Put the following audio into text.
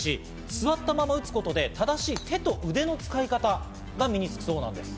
座ったまま打つことで、正しい手と腕の使い方が身につくそうなんです。